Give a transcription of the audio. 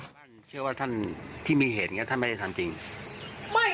ดันเข้ามามันก็เข้ามาแบบนี้